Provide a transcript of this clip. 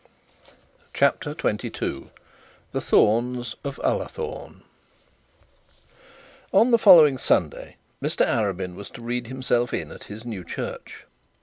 CHAPTER XXII THE THORNES OF ULLATHORNE On the following Sunday Mr Arabin was to read himself in at his new church.